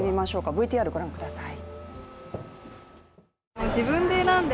ＶＴＲご覧ください。